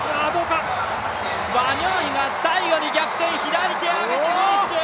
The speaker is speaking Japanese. ワニョンイが最後に逆転、左手を上げてフィニッシュ。